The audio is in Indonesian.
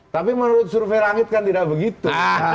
tapi menurut survei langit kan tidak begitu